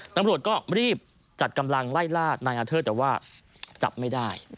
ตำรวจก็รีบจัดกำลังไล่ล่านายอาเทิดแต่ว่าจับไม่ได้